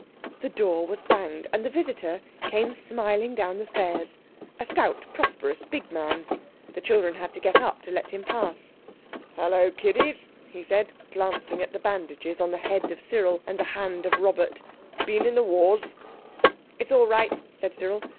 The door was banged, and the visitor came smiling down the stairs—a stout, prosperous, big man. The children had to get up to let him pass. "Hullo, Kiddies," he said, glancing at the bandages on the head of Cyril and the hand of Robert, "been in the wars?" "It's all right," said Cyril.